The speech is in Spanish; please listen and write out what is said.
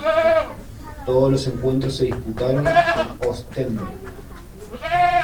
Todos los encuentros se disputaron en Ostende.